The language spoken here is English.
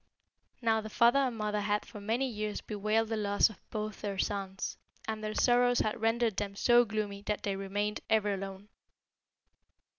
"Now the father and mother had for many years bewailed the loss of both their sons, and their sorrows had rendered them so gloomy that they remained ever alone.